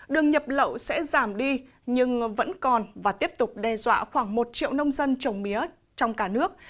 đường nhập lậu sẽ giảm đi nhưng vẫn còn và tiếp tục đe dọa khoảng một triệu nông dân trồng mía trong cả nước